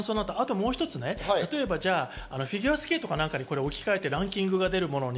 もう一つ、例えばフィギアスケートかなんかに置き換えて、ランキングは出るものに。